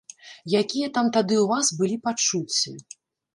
Якія там тады ў вас былі пачуцці?